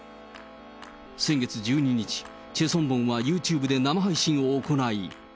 先月１２日、チェ・ソンボンはユーチューブで生配信を行い。